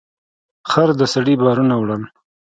خر د سړي بارونه وړل.